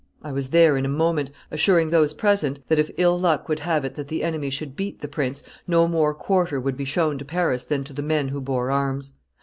I was there in a moment, assuring those present that, if ill luck would have it that the enemy should beat the prince, no more quarter would be shown to Paris than to the men who bore arms.